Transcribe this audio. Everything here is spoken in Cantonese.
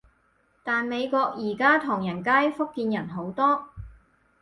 但美國而家唐人街，福建人好多